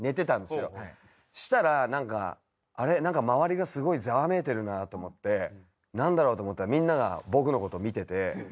そしたらなんか「あれ？周りがすごいざわめいてるな」と思って「なんだろう？」と思ったらみんなが僕の事見てて。